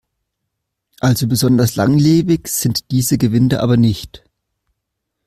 Also besonders langlebig sind diese Gewinde aber nicht.